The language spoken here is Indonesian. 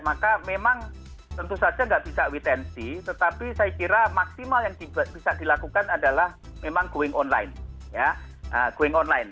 maka memang tentu saja nggak bisa witensi tetapi saya kira maksimal yang bisa dilakukan adalah memang going online going online